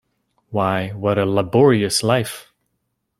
Why, what a laborious life!